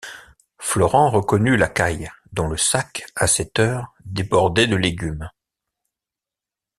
Florent reconnut Lacaille, dont le sac, à cette heure, débordait de légumes.